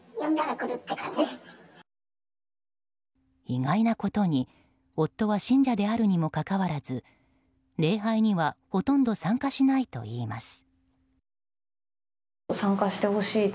意外なことに夫は信者であるにもかかわらず礼拝にはほとんど参加しないといいます。